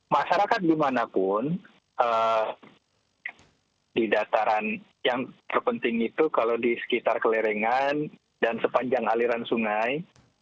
masyarakat dimanapun di dataran yang terpenting itu kalau di sekitar kelerengan dan sepanjang aliran sungai